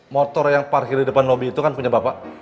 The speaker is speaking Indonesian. motor yang parkir di depan lobi itu kan punya bapak